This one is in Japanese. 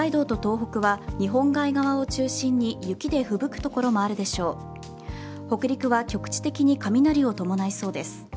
北陸は局地的に雷を伴いそうです。